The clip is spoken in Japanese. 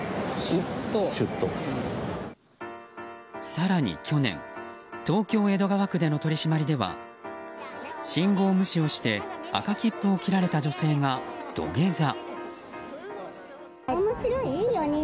更に去年、東京・江戸川区での取り締まりでは信号無視をして赤切符を切られた女性が土下座。